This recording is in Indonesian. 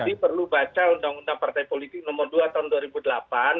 jadi mas adi perlu baca undang undang partai politik nomor dua tahun dua ribu delapan